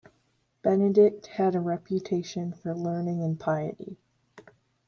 Benedict had a reputation for learning and piety.